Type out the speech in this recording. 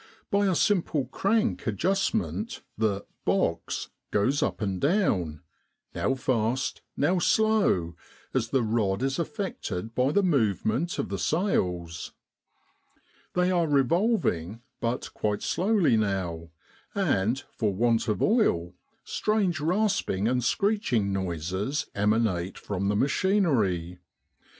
By a simple crank adjust ment the ' box ' goes up and down, now fast, now slow, as the rod is affected by the movement of the sails. They are revolving but slowly now, and for want of oil strange rasping and screeching noises emanate from the machinery.